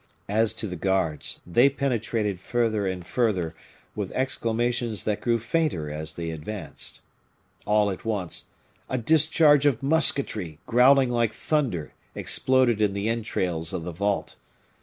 As to the guards, they penetrated further and further, with exclamations that grew fainter as they advanced. All at once, a discharge of musketry, growling like thunder, exploded in the entrails of the vault.